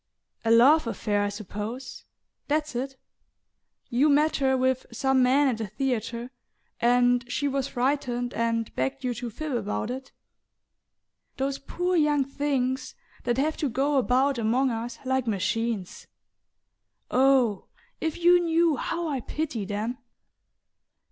"A love affair, I suppose ... that's it? You met her with some man at the theatre and she was frightened and begged you to fib about it? Those poor young things that have to go about among us like machines oh, if you knew how I pity them!"